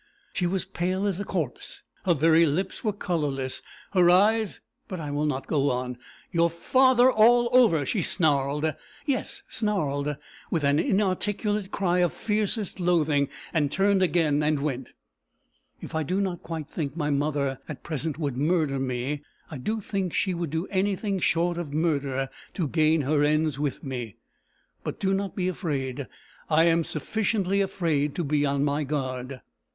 She was pale as a corpse; her very lips were colourless; her eyes but I will not go on. 'Your father all over!' she snarled yes, snarled, with an inarticulate cry of fiercest loathing, and turned again and went. If I do not quite think my mother, at present, would murder me, I do think she would do anything short of murder to gain her ends with me. But do not be afraid; I am sufficiently afraid to be on my guard.